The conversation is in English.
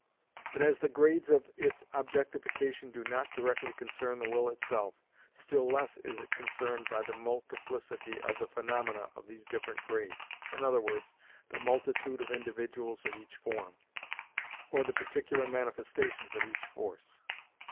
But as the grades of its objectification do not directly concern the will itself, still less is it concerned by the multiplicity of the phenomena of these different grades, i.e., the multitude of individuals of each form, or the particular manifestations of each force.